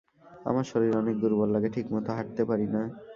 আমার শরীর অনেক দূর্বল লাগে ঠিকমত হাঁটতে পারি না।